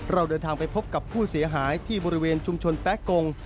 เราเดินทางไปพบกับผู้เสียหายที่บริเวณชุมชนแป๊ะกง